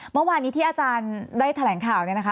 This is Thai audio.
เมื่อวานนี้ที่อาจารย์ได้แถลงข่าวเนี่ยนะคะ